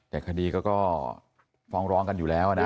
แต่คดีก็ฟ้องร้องกันอยู่แล้วนะ